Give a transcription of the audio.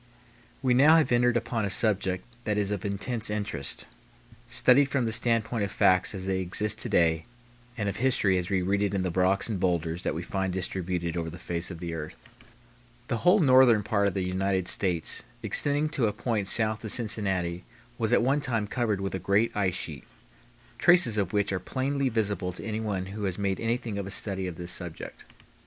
We now have entered upon a subject that is of intense interest, studied from the standpoint of facts as they exist to day and of history as we read it in the rocks and bowlders that we find distributed over the face of the earth. The whole northern part of the United States extending to a point south of Cincinnati was at one time covered with a great ice sheet, traces of which are plainly visible to anyone who has made anything of a study of this subject.